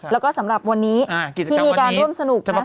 แล้วก็สำหรับวันนี้ที่มีการร่วมสนุกนะ